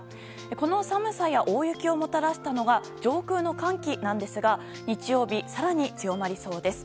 この寒さや大雪をもたらしたのが上空の寒気なんですが日曜日、更に強まりそうです。